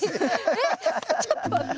えっちょっと待って。